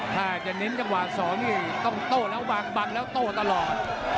ถ้าจะเน้นจังหวะ๒นี่ต้องโต้แล้วบังบังแล้วโต้ตลอด